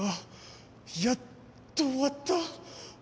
やっと終わった。